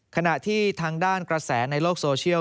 ขณะที่ทางด้านกระแสในโลกโซเชียล